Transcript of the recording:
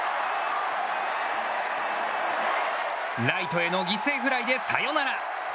ライトへの犠牲フライでサヨナラ！